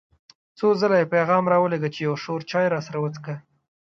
څو ځله یې پیغام را ولېږه چې یو شور چای راسره وڅښه.